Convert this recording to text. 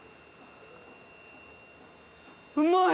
うまい！